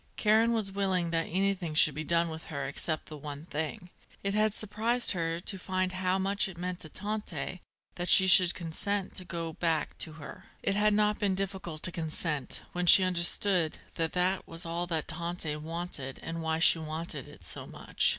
Karen was willing that anything should be done with her except the one thing. It had surprised her to find how much it meant to Tante that she should consent to go back to her. It had not been difficult to consent, when she understood that that was all that Tante wanted and why she wanted it so much.